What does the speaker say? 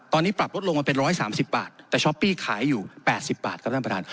ตอนนี้ปรับลดลงมาเป็นร้อยสามสิบบาทแต่ช้อปปี้ขายอยู่แปดสิบบาทครับท่านประทาน